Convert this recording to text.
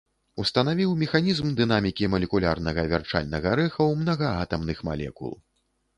Устанавіў механізм дынамікі малекулярнага вярчальнага рэха ў мнагаатамных малекул.